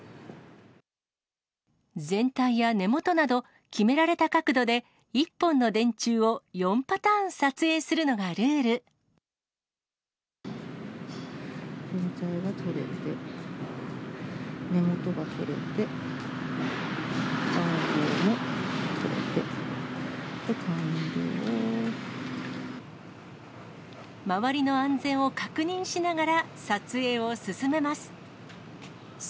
全体や根本など、決められた角度で、１本の電柱を４パターン撮影全体も撮れて、根元も撮れて、周りの安全を確認しながら、撮影を進めます。